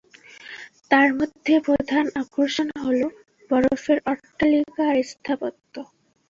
তার মধ্যে প্রধান আকর্ষণ হলো বরফের অট্টালিকা আর স্থাপত্য।